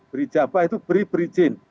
berijabah itu beri berizin